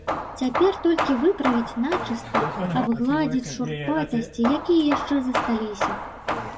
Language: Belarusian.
Цяпер толькі выправіць начыста, абгладзіць шурпатасці, якія яшчэ засталіся.